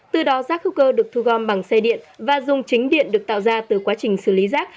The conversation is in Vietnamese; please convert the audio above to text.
từ đó rác hữu cơ được thu gom bằng xe điện và dùng chính điện được tạo ra từ quá trình xử lý rác